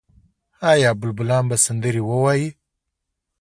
آیا بلبلان به سندرې ووايي؟